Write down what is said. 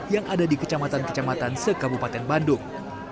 yang ada di kecamatan kecamatan sekabupaten bandung